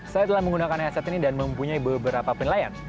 saya telah menggunakan headset ini dan mempunyai beberapa penilaian